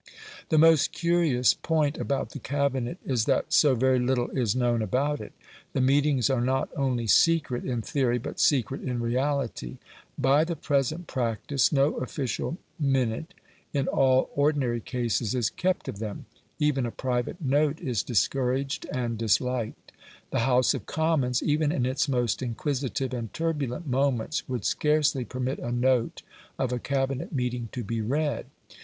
The most curious point about the Cabinet is that so very little is known about it. The meetings are not only secret in theory, but secret in reality. By the present practice, no official minute in all ordinary cases is kept of them. Even a private note is discouraged and disliked. The House of Commons, even in its most inquisitive and turbulent moments, would scarcely permit a note of a Cabinet meeting to be read.